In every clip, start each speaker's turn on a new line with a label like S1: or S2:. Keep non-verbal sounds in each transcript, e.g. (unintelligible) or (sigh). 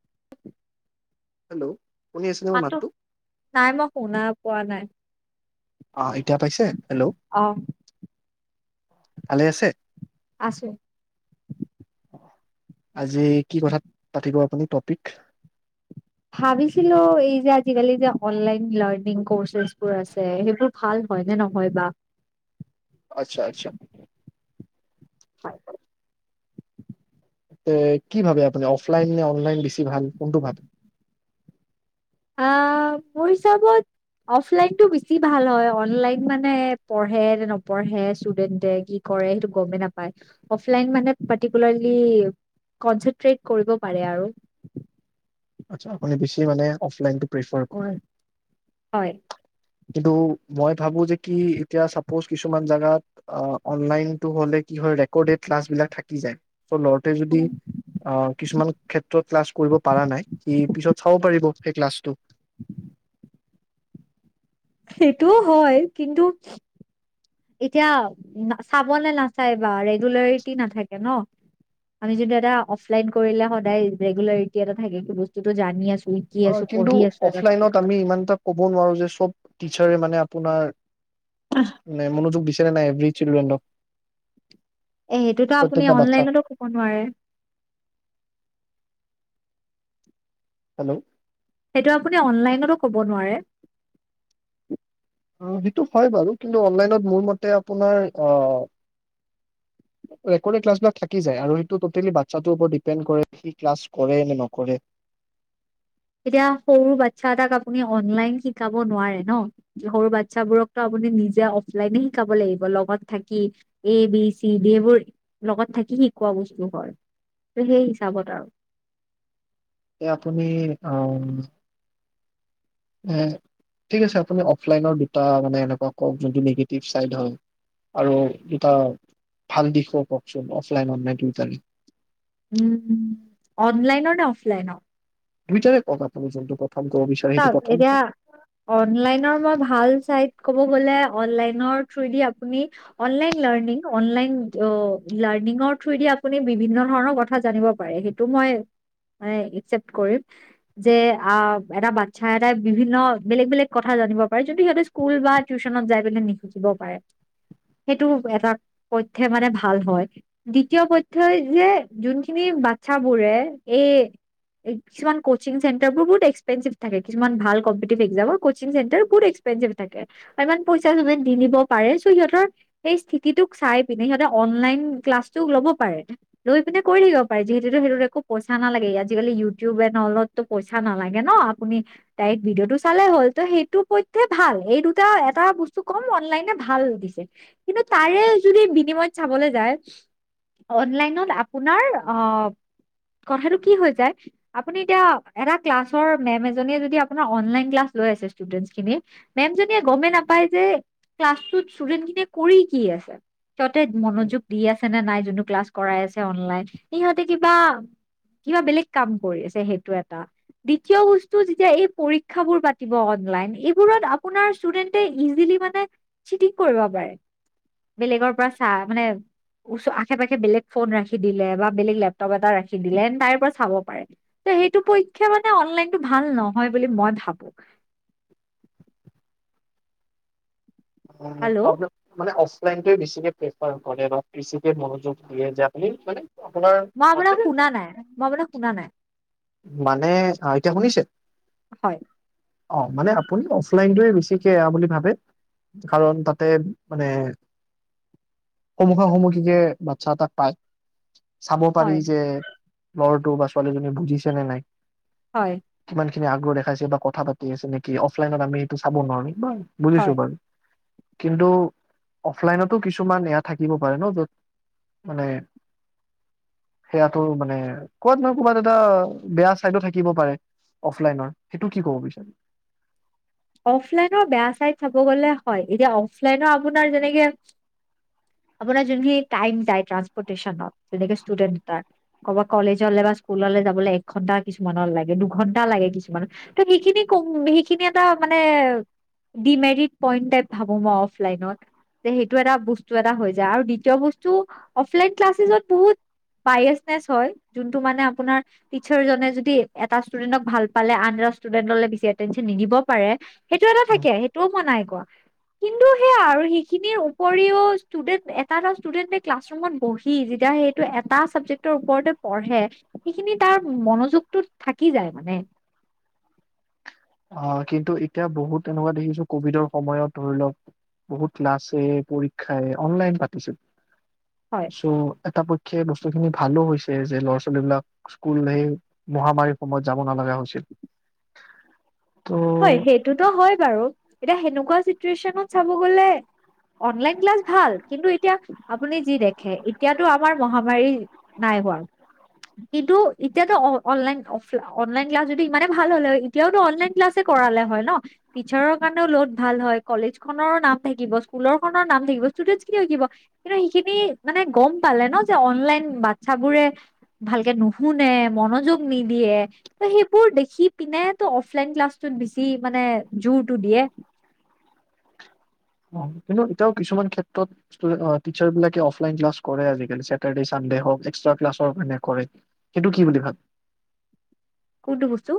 S1: (unintelligible)
S2: Hello? শুনি আছেনে মোৰ
S1: মাতো,
S2: মাতটো?
S1: নাই মই শুনা পোৱা নাই।
S2: অ এতিয়া পাইছে, হেল্ল'?
S1: অ
S2: ভালে আছে?
S1: আছো
S2: আজি কি কথাত পাতিব আপুনি টপিক?
S1: ভাবিছিলো এই যে আজিকালি যে অনলাইন লাৰ্ণিং কৰ্চছ চছ্ বোৰ আছে সেইবোৰ ভাল হয় নে নহয় বা?
S2: আচ্ছা-আচ্ছা
S1: (unintelligible)
S2: ত কি ভাবে আপুনাৰ অফলাইন নে অনলাইন বেছি ভাল কোনটো ভাল?
S1: আহ মোৰ হিচাবত অফলাইনটো বেছি ভাল হয় অনলাইন মানে পঢ়ে নে নপঢ়ে ষ্টুডেন্টে কি কৰে সেইটো গমেই নাপায় অফলাইন মানে পাৰটিকোলাৰলি কনচেট্ৰেড কৰিব পাৰে আৰু।
S2: আচ্ছা আপুনাৰ বেছি মানে অফলাইনটোত পেচা কৰে
S1: হয়
S2: কিন্তু মই ভাবো যে কি এতিয়া সাপজ কিছুমান জেগাত অ অনলাইন টো হলে কি হয় ৰেকৰ্ডেড ক্লাছ বিলাক থাকি যাই টৌ ল'ৰাটোৱে যদি আহ কিছুমান ক্ষেত্ৰত ক্লাছ কৰিব পৰা নাই সি পিছত চাব পাৰিব, সেই ক্লাছটো।
S1: সেইটো হয় কিন্তু, এতিয়া চাবনে নাচাই বা ৰেগুলাৰিতী নাথাকে ন, আমি যদি এটা অফলাইন কৰিলে সদায় ৰেগুলৰিতী এটা থাকে কি বস্তুটো জানি আছো শিকি
S2: অ
S1: আছো
S2: কিন্তু
S1: পঢ়ি আছো এটা
S2: অফলাইনত
S1: টপিকত
S2: আমি ইমান এটা ক'ব নোৱাৰো যে চব টিচাৰে মানে আপোনাৰ মানে মনোযোগ দিছ নাই এবি চিলড্ৰেন অৱ
S1: এ সেইটোতো আপুনি অনলাইনতো কব নোৱাৰে
S2: হেল্ল'
S1: সেইটো আপুনি অনলাইনতো‌ কব নোৱাৰে।
S2: অ সেইটো হয় বাৰু কিন্তু অনলাইনত‌ মোৰ মতে আপোনাৰ অ ৰেকৰ্ডৰি কালছ বিলাক থাকি যায় আৰু সেইটো টোতেলি বাছাটোৰ ওপৰত দিপেণ্ট কৰে সি কালছ কৰে নে নকৰে।
S1: এতিয়া সৰু বাচ্ছা এটাক আপুনি অনলাইন শিকাব নোৱাৰে ন সৰু বাচ্ছাবোৰকো আপুনি নিজে অফলাইনে শিকাব লাগিব লগত থাকি এ বি চি ডি এইবোৰ লগত থাকি শিকোৱা বস্তু হয় ত সেই হিচাপত আৰু
S2: এ আপুনি আহ এ‌ ঠিক আছে আপুনি‌ অফলাইনৰ দুটা মানে এনেকুৱা কওক যোনটো নেগেটিভ চাইড হওক আৰু দুটা ভাল বিষয়ে কওকচোন অফলাইন নে (unintelligible)
S1: উম অনলাইনৰ নে অফলাইনৰ?
S2: দুইতাৰে কউক আপুনি কোনটো কউক
S1: চাও এতিয়া অনলাইনৰ মই ভাল চাইত ক'ব গ'লে অনলাইনৰ থ্ৰদি আপুনি অনলাইন লাৰ্ণিং অনলাইন লাৰ্ণিঙৰ থ্ৰদি আপুনি বিভিন্ন ধৰণৰ কথা জানিব পাৰে সেইটো মই মান একচেপ্ট কৰিম যে আ এটা বাচ্ছা এটা বিভিন্ন বেলেগ বেলেগ কথা জানিব পাৰে যোনটো সিহঁতে স্কুল বা টিউচনত যাই পিনে নিখুজিব পাৰে সেইটো এটা পথ্য় মানে ভাল হয় দ্বিতীয় পথ্য় যে যোনখিনি বাচ্ছা বোৰে এই কিছুমান কচিং চেণ্টাৰ বোৰ বুত এক্সপেৰিমচিপ থাকে কিছুমান ভাল কম্পিটিভ এক্সামৰ কচিং চেণ্টাৰ বহুত এক্সপেৰিমচিপ‌ থাকে আৰু ইমান পইচা চে দি নিব পাৰে চ' সিহঁতৰ সেই স্থিতিটোক চাই পিনে সিহঁত অনলাইন ক্লাছতটো ল'ব পাৰে লৈ পিনে কৰি থিব পাৰে যিহেতো সিহত একো পইচা নালাগে আজিকালি ইউটিউব এনলতো পইচা নালাগে থাকে ন আপুনি তাইৰ ভিডিঅ' টো চালেই হ'ল ত সেইটো পইধে ভাল, সেই দুটা এটা বস্তু কম অনলাইনে ভাল দিছে, কিন্তু তাৰে যদি বিনিময়ত চাবলে যায় অনলাইনত আপোনাৰ অ কথাটো কি হৈ যায় আপুনি এতিয়া এটা ক্লাছ, ওচৰৰ মেম এজনীয়ে যদি আপোনাৰ অনলাইন ক্লাছ লৈ আছে ইছতুদেনট খিনিক, ‌ মেমজনীয়ে গমেই নাপায় যে ক্লাছ টোত ইছতুদেনট খিনিয়ে কৰি কি আছে, সিহঁতে মনোযোগ দি আছে নে নাই? যোন ক্লাছ কৰাই আছে অনলাইন সিহঁতে কিবা কিবা বেলেগ কাম কৰি আছে সেইটো এটা দ্বিতীয় বস্তু যেতিয়া এই পৰীক্ষা বোৰ পাতিব অনলাইন এইবোৰত আপোনাৰ ষ্টুডেন্টে ইজিলি মানে চিটিং কৰিব পাৰে বেলেগৰ পৰা চা মানে আশে পাশে বেলেগ ফোন ৰাখি দিলে বা বেলেগ লেপটপ এটা ৰাখি দিলে তাইৰ পৰা চাব পাৰে সেইটো পৰীক্ষা মানে অনলাইনতটো ভাল নহয় বুলি মই ভাবো
S2: অ
S1: হেল্ল'
S2: আপ মানে অ নে বেছিকে প্ৰেফাৰ কৰে বা বেছিকে মনোযোগ দিয়ে যে আপুনি মানে আপোনাৰ
S1: মই
S2: মতে
S1: আপোনাক শুনা নাই মই আপোনাক শুনা নাই
S2: মানে আহ এতিয়া শুনিছে?
S1: হয়
S2: অ মানে আপুনি অফলাইনটোৱে বেছিকে এ বুলি ভাবে কাৰণ তাতে মানে সন্মুখা সন্মুখিকে বাচ্ছা তাক পায়। চাব পাৰি
S1: হয়
S2: যে ক'ৰবাত ছোৱালী দিয়ে বুজিছে চনে নাই?
S1: হয়
S2: খি আগ্ৰহ দেখাইছে বা কথা পাতি আছে নেকি অফলাইনত আমি এইটো চাব নোৱাৰোম ব বুজিছো
S1: হয়
S2: বাৰু কিন্তু অফলাইনতো কিছুমান এয়া থাকিব পাৰে ন য'ত মানে সেয়াটো মানে কত নহ ক'বাত এটা বেয়া চাইডো থাকিব পাৰে অফলাইনৰ সেইটো কি ক'ব বিচাৰে
S1: অফলাইনৰ বেয়া ছাইড চাব গলে হয় এতিয়া অফলাইনৰ আপোনাৰ যেনেকে আপোনাৰ যোনখিনি টাইম যায় ট্ৰপৰ্টেনতনেকে ষ্টুডেন্টব কলেজলে বা স্কুল যাবলৈ এক ঘন্টা কিছুমানৰ লাগে দুঘন্টা লাগে কিছুমানৰ ত সেইখিন ক সেইখিন ত মানে ডি মেৰিট পইণ্টত ভাবো মই অফলাইনত যে সেইটো এটা বস্তু এটা হৈ যায় আৰু দ্বিতীয় বস্তু অফলাইন ক্লাছেজত বহুত বাইয়েচনেচ হয় যোনটো মানে আপোনাৰ টিছাৰজনে যদি এটা ষ্টুডেণ্টক ভাল পালে আন এটা ষ্টুডেণ্টলে বেছি এটেনশ্যন নিদিব পাৰে সেইটো এটা থাকে সেইটোও মই নাই কোৱা কিন্তু সেয়া আৰু সেইখিনিৰ উপৰিও ষ্টুডেন্ট এটা এটা ষ্টুডেন্ট ক্লাছৰুমত বহি যেতিয়া সেইটো এটা চাবজেক্টৰ ওপৰতে পঢ়ে সেইখিনি তাৰ মনোযোগটো থাকি যায় মানে
S2: অ কিন্তু এতিয়া বহুত এনেকোৱা দেখিছো কভিডৰ সময়ত ধৰি লওক বহুত ক্লাছে পৰীক্ষায়ে অনলাইন পাতিছে
S1: হয়
S2: চ এটা প সেই বস্তুখিনি ভালো হৈছে যে ল'ৰা ছোৱালীবলাক স্কুল সেই মহামাৰীৰ সময়ত যাব নলগা হৈছিল ত'
S1: হয় সেইটোতো হয় বাৰু এতিয়া সেনেকোৱা চিটুৱেচনত চাব গলে অনলাইন ক্লাছ ভাল কিন্তু এতিয়া আপুনি যি দেখে এতিয়াতো আমাৰ মহামাৰী নাই হোৱা কিন্তু এতিয়াতো অনলাইন অনলাইন ক্লাছ যদি ইমানে ভাল হ'ল হয় এতিয়াওতো অনলাইন ক্লাছ কৰালে হয় ন টিচাৰ কাৰনেও লগত ভাল হয় কলেজ খনৰো নাম থাকিব স্কুলৰ খনৰ নাম থাকিব ষ্টুডেণ্টছ খিনিও শিকিব কিন্তু সেইখিনি মানে গম পালে ন যে অনলাইন বাচ্ছাবোৰে ভালকে নুশুনে মনোযোগ নিদিয়ে ত সেইবোৰ দেখি পিনে ত অফলাইন ক্লাছ চোন বেছি মানে জোৰটো দিয়ে
S2: কিন্তু তেওঁ কিছুমান ক্ষেত্ৰত টিচাৰবিলাকে অফলাইন ক্লাছ কৰে আজিকালি সেটৰদে চানডে হওঁক এক্সট্ৰা ক্লাছৰ মানে কৰে সেইটো কি বুলি ভা
S1: কোনটো বস্তু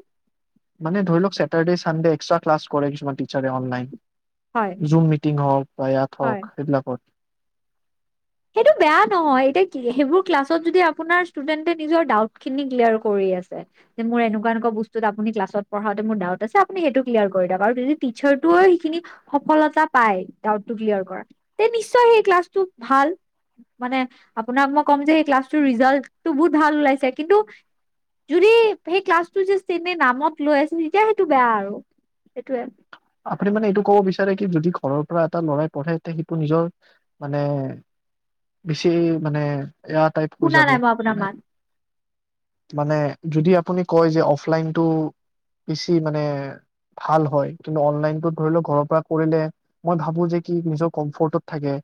S2: মানে ধৰি লওক চেটাৰডে চানডে এক্সট্ৰা ক্লাছ কৰে কিছুমান তাৰে অনলাইন
S1: হয়
S2: জুম মিটিং হওক বা ইয়াত
S1: হয়
S2: হওক সেইবিলাকত
S1: সেইটো বেয়া নহয় এতিয়া সেইবোৰ ক্লাছত যদি আপোনাৰ ষ্টুডেণ্টে নিজৰ ডাউট খিনি ক্লিয়াৰ কৰি আছে যে মোৰ এনেকোৱা এনেকোৱা বস্তুত আপুনি ক্লাছত পঢ়াওঁতে মোৰ ডাউট আছে আপুনি সেইটো ক্লিয়াৰ কৰি দিয়ক আৰু যদি টিচাৰটোৱে সেইখিনি সফলতা পায় ডাউটটো ক্লিয়াৰ কৰা তে নিশ্চয় সেই ক্লাছটো ভাল মানে আপোনাক মই ক'ম যে সেই ক্লাছটোৰ ৰিজাল্টটো বহুত ভাল ওলাইছে কিন্তু যদি সেই ক্লাছটো জাষ্ট এনে নামত লৈ আছে তেতিয়া সেইটো বেয়া আৰু সেইটোৱে
S2: আপুনি মানে এইটো ক'ব বিচাৰে কি যদি ঘৰৰ পৰা এটা লৰাই পঢ়ে সেইটো নিজৰ মানে বেছি মানে এয়া তাইত কৈ
S1: শুনা
S2: যাব
S1: নাই মই আপোনাৰ
S2: মানে
S1: মাত
S2: মানে যদি আপুনি কয় যে অফলাইনটো বেছি মানে ভাল হয় তোমাৰ অনলাইনটো ধৰি লওক ঘৰৰ পৰা কৰিলে মই ভাবো যে কি নিজৰ কমফৰ্টত থাকে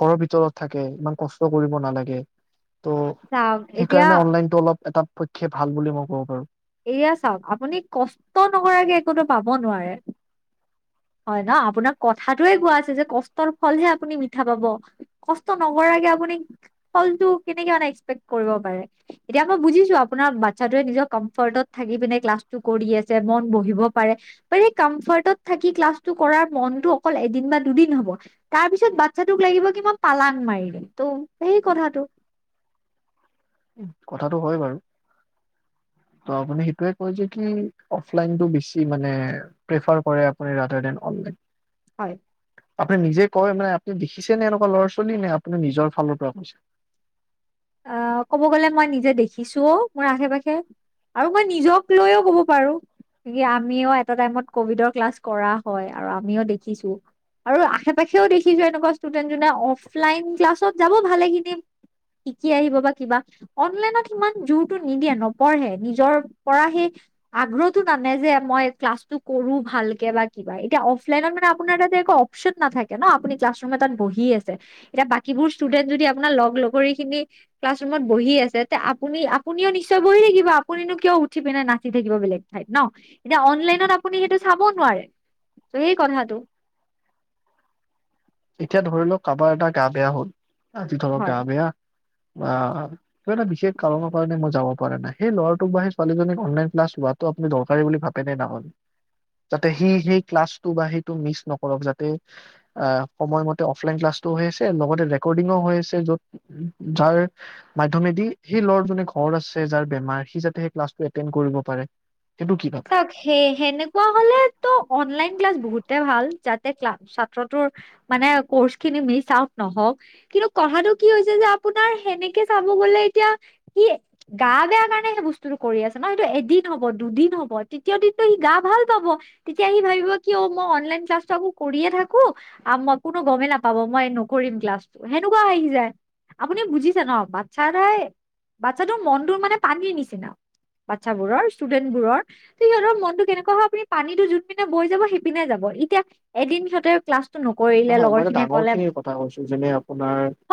S2: ঘৰৰ ভিতৰত থাকে ইমান কষ্ট কৰিব নালাগে ত'
S1: চাওক এতিয়া
S2: সেইকাৰণে অনলাইনটো অলপ এটা পক্ষে ভাল বুলি মই ক'ব পাৰো
S1: এয়া চাওক আপুনি কষ্ট নকৰাকে একো ত পাব নোৱাৰে হয় ন আপোনাক কথাটোৱে কোৱা আছে যে কষ্টৰ ফলহে আপুনি মিঠা পাব কষ্ট নকৰাকে আপুনি ফলটো কেনেকে মানে এক্সপেক্ত কৰিব পাৰে এতিয়া মই বুজিছোঁ আপোনাৰ বাচ্ছাটোৱে নিজৰ কম্ফৰ্টত থাকি পিনে ক্লাষ্টো কৰি আছে মন বহিব পাৰে ত সেই কনচাৰ্টত থাকি সি ক্লাছটো কৰাৰ মনটো অকল এদিন বা দুদিন হব তাৰ পিছত বাচ্ছাটোক লাগিব কি মই পালং মাৰি দিম ত' সেই কথাটো
S2: উ কথাটো হয় বাৰু ত আপুনি সেইটোৱে কই যে কি অফলাইনতো বেছি মানে প্ৰিফাৰ কৰে আপুনি ৰাটাৰ দেন অনলাইন
S1: হয়
S2: আপুনি নিজে কয় মানে আপুনি দেখিছে নে এনেকোৱা ল'ৰা ছোৱালী নে আপুনি নিজৰ ফালৰ পৰা কৈছে
S1: ক'ব গলে মই নিজে দেখিছোও মোৰ আশে পাশে আৰু মই নিজক লৈও ক'ব পাৰো আমিও এটা টাইমত কভিডৰ ক্লাছ কৰা হয় আৰু আমিও দেখিছো আৰু আশে পাশেও দেখিছো এনেকোৱা ষ্টুডেণ্ট যোনে অফলাইন ক্লাছত যাব ভালেকেইদিন শিকি আহিব বা কিবা অনলাইনত সিমান জোৰটো নিদিয়ে নপঢ়ে নিজৰ পৰা সেই আগ্ৰহটো নানে যে মই ক্লাছটো কৰো ভালকে বা কিবা এতিয়া অফলাইনত মানে আপোনাৰ তাতে একো অপচন নাথাকে ন আপুনি ক্লাছ ৰুম এটাত বহি আছে এতিয়া বাকীবোৰ ষ্টুডেন্ট যদি আপোনাৰ লগ লগৰী খিনি ক্লাছৰুমত বহি আছে তে আপুনি আপুনিও নিশ্চয় বহি থাকিব আপুনিনো কিয় উঠি পিনে নাচি থাকিব বেলেগ ঠাইত ন এতিয়া অনলাইনত আপুনি সেইটো চাব নোৱাৰে সেই কথাটো
S2: এতিয়া ধৰি লওক কাবাৰ এটা গা বেয়া হল আজি ধৰ
S1: হয়
S2: গা বেয়া অ কিবা এটা বিশেষ কাৰনৰ কাৰণে মই যাব পৰা নাই সেই লৰাটোক বা ছোৱালীজনীক অনলাইন ক্লাছ লোৱাটো আপুনি দৰকাৰী বুলি ভাবেনে নহয় যাতে সি সেই ক্লাছটো বা সেইটো মিছ নকৰক যাতে অ সময়মতে অফলাইন ক্লাছটো হৈ আছে লগতে ৰেকৰ্ডিং ও হৈ আছে যাৰ মাইটোমেটি সি লৰাজনৰ ঘৰ আছে যাৰ বেমাৰ সি যাতে ক্লাছটো এটেণ্ড কৰিব পাৰে সেইটো কি ভাবে
S1: চাওক সেই সেনেকোৱা হলেতো অনলাইন ক্লাছ বহুত ভাল যাতে ক্লা ছাত্ৰটোৰ মানে কৰ্চ খিনি মিচ আউট নহওক কিন্তু কথাটো কি হৈছে যে আপোনাৰ সেনেকে চাব গলে এতিয়া সি গা বেয়া কাৰণে সেই বস্তুটো কৰি আছে ন সটো এদিন হ'ব দুদিন হ'ব তিতৃয় দিনটো সি গা ভাল পাব তেতিয়া সি ভাবিব কি অ মই অনলাইন ক্লাছটো আকৌ কৰিয়ে থাকো মই কোনো গমেই নাপাব মই নকৰিম ক্লাছটো সেনেকুৱা আহি যায় আপুনি বুজিছে ন বাচ্ছাই বাচ্ছা ত মনটোৰ মানে পানীৰ নিচিনা বাচ্ছাবোৰৰ ষ্টুডেন্ট বোৰৰ ত সিহঁতৰ মনটো কেনেকুৱা হয় আপুনি পানীটো যোন পিনে বৈ যাব সিপিনে যাব এতিয়া এদিন সিহঁতে ক্লাছ
S2: নহয় মই এটা ডাঙৰ খিনিৰ কথা কৈছো যেনে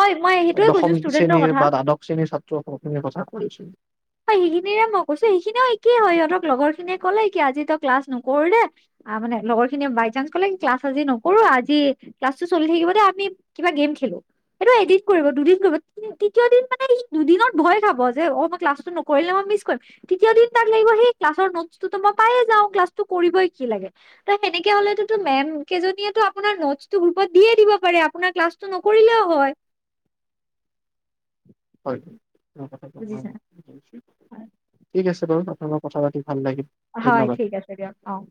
S1: হয় মই সেইটোয়ে কৈছো
S2: দশম
S1: ষ্টুডেন্টৰ
S2: শ্ৰেণীৰ
S1: কথা
S2: বা দ্বাদশ শ্ৰেণীৰ ছাত্ৰ সকল খিনিৰ কথা কৈছো
S1: হয় সেইখিনিৰে মই কৈছো সেইখিনিও একেই হয় সিহঁতক লগৰ খিনিয়ে ক'লে কি আজি তই ক্লাছ নকৰো দে, মানে লগৰ খিনিয়ে বাই চান্স কলে ক্লাছ আজি নকৰো আজি ক্লাছটো চলি থাকিব দে আমি কিবা গেম খেলো, এইটো এদিন কৰিব দুদিন কৰিব তৃতীয় দিন মানে স দুদিনত ভয় খাব যে অ মই ক্লাছটো নকৰিলে মই মিছ কৰিম তৃতীয় দিন তাত লাগিব সি। (unintelligible)
S2: হয় হয়।
S1: বুজিছা
S2: ঠিক আছে। ততে মই কথা পাতিম (unintelligible)
S1: হয় ঠিক আছে দিয়ক অঁ।